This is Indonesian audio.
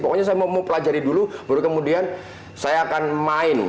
pokoknya saya mau mempelajari dulu baru kemudian saya akan main